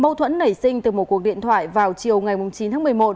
mâu thuẫn nảy sinh từ một cuộc điện thoại vào chiều ngày chín tháng một mươi một